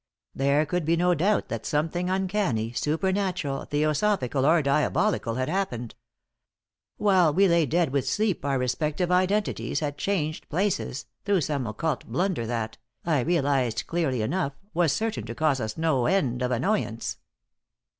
There could be no doubt that something uncanny, supernatural, theosophical or diabolical had happened. While we lay dead with sleep our respective identities had changed places, through some occult blunder that, I realized clearly enough, was certain to cause us no end of annoyance.